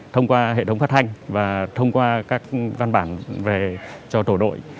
thông qua hệ thống phát thanh và thông qua các văn bản về cho tổ đội